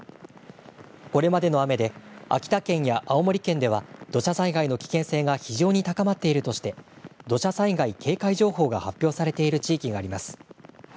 これまでの雨で秋田県や青森県では土砂災害の危険性が非常に高まっているとして土砂災害警戒情報が発表されている地域があります。